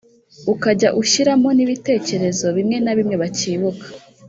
ukajya ushyiramo n’ibitekerezo bimwe na bimwe bacyibuka